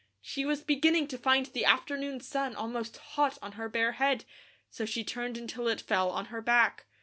She was beginning to find the afternoon sun almost hot on her bare head, so she turned until it fell on her back.